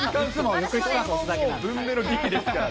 文明の利器ですからね。